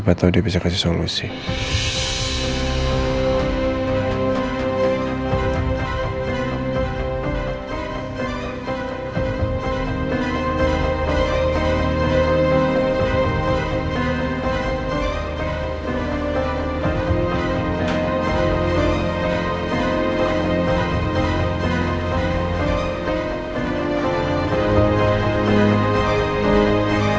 paang apa kamu lagi berdua